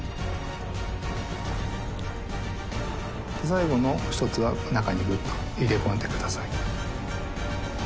最後の１つは中にグッと入れ込んでください。